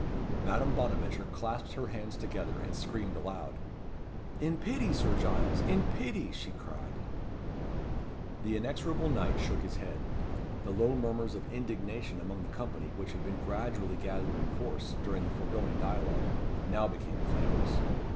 Madame Bonaventure clasped her hands together, and screamed aloud. "In pity, Sir Giles! In pity!" she cried. The inexorable knight shook his head. The low murmurs of indignation among the company which had been gradually gathering force during the foregoing dialogue, now became clamorous.